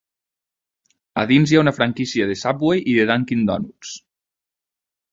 A dins hi ha una franquícia de Subway i de Dunkin' Donuts.